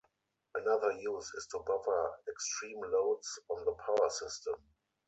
Another use is to buffer extreme loads on the power system.